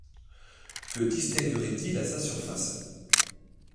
que distinguerait-il à sa surface ?